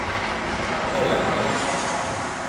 Hol lennének?